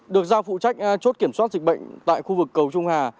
được giao phụ trách chốt kiểm soát dịch bệnh tại khu vực cầu trung hà